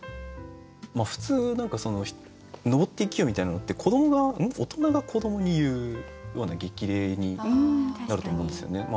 普通何か「登って生きよ」みたいなのって大人が子どもに言うような激励になると思うんですよね。